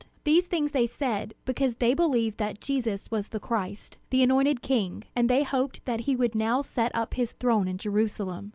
These things they said, because they believed that Jesus was the Christ, the Anointed King; and they hoped that he would now set up his throne in Jerusalem.